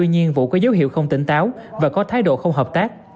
chú hiệu không tỉnh táo và có thái độ không hợp tác